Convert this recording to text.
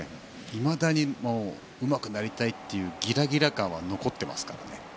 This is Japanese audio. いまだにうまくなりたいというギラギラ感は残っていますからね。